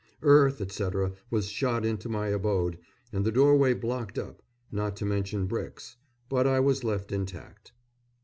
Earth, etc., was shot into my abode, and the doorway blocked up, not to mention bricks; but I was left intact.